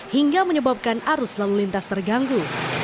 hingga menyebabkan arus lalu lintas terganggu